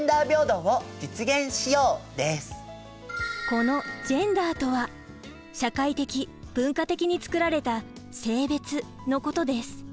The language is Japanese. この「ジェンダー」とは社会的・文化的につくられた性別のことです。